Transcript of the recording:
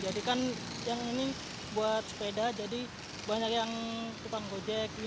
jadi kan yang ini buat sepeda jadi banyak yang tupang gojek